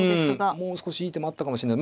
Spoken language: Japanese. もう少しいい手もあったかもしれない。